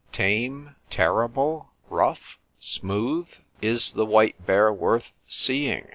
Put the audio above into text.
Tame? Terrible? Rough? Smooth? —Is the white bear worth seeing?